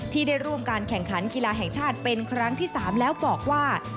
ที่ได้ร่วมการแข่งขันกีฬาแห่งชาติเป็นครั้งที่๓แล้วบอกว่า